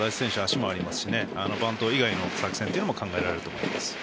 足もありますしバント以外の作戦も考えられると思います。